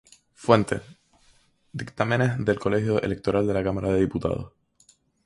Fuente: Dictámenes del Colegio Electoral de la Cámara de Diputados.